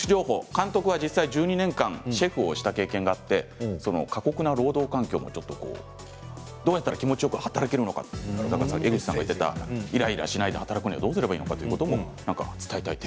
監督は１２年間シェフをやっていたことがあって過酷な労働環境どうやったら気持ちよく働けるのかイライラしないで働くにはどうすればいいのかということも伝えたいと。